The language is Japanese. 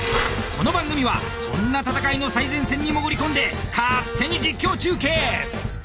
この番組はそんな戦いの最前線に潜り込んで勝手に実況中継。